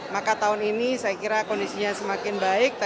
maka tahun ini saya kira kondisinya semakin baik